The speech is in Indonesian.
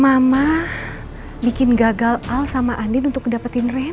mama bikin gagal al sama andin untuk mencari reina yang aneh aneh